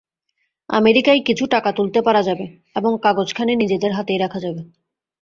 আমেরিকায় কিছু টাকা তুলতে পারা যাবে এবং কাগজখানি নিজেদের হাতেই রাখা যাবে।